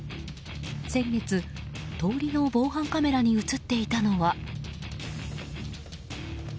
先月、通りの防犯カメラに映っていたのは。